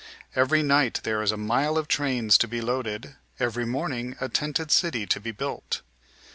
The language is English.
Every night there is a mile of trains to be loaded, every morning a tented city to be built.